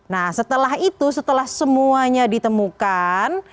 nah setelah itu setelah semuanya ditemukan